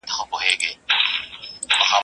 چي باد مي ستا له لاري څخه پلونه تښتوي.